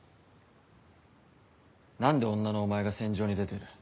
何で女のお前が戦場に出てる？